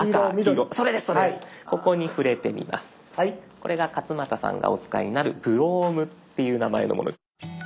これが勝俣さんがお使いになる「Ｃｈｒｏｍｅ」っていう名前のものです。